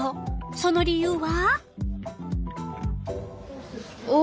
その理由は？